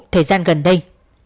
thời gian gần đây